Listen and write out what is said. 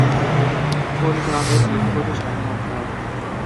কোন গ্রামের গৃহবধূ শারমিন আক্তার?